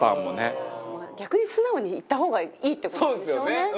逆に素直にいった方がいいって事なんでしょうね。